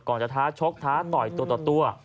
ก่อนจะท้าชกท้าต่อยตัว